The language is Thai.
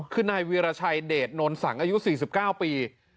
คือนายวีรชัยเดชโนนสังอายุ๔๙ปี